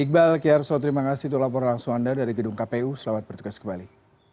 iqbal kiarso terima kasih telah berlangsung anda dari gedung kpu selamat bertugas kembali